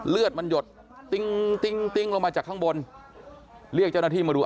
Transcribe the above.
เลือดมันหยดติ้งติ้งติ้งลงมาจากข้างบนเรียกเจ้าหน้าที่มาดู